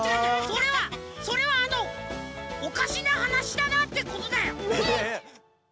それはそれはあのおかしなはなしだなってことだよ。